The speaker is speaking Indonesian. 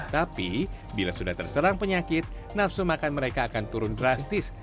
tapi bila sudah terserang penyakit nafsu makan mereka akan turun drastis